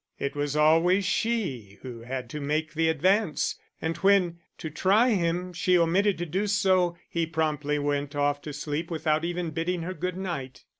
It was always she who had to make the advance, and when, to try him, she omitted to do so, he promptly went off to sleep without even bidding her good night.